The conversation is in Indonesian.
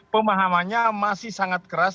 pemahamannya masih sangat keras